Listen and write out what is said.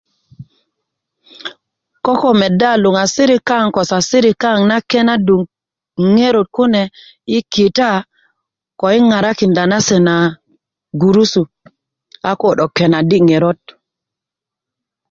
koko meda luŋasirik kaŋ ko sasirik ko na kenadu ŋor ŋerot kune i kita ko i ŋarakindá na se na gurusu a ko dok kenadi ŋerok